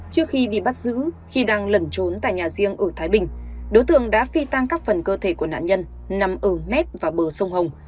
trước khi bị bắt giữ khi đang lẩn trốn tại nhà riêng ở thái bình đối tượng đã phi tăng các phần cơ thể của nạn nhân nằm ở mép và bờ sông hồng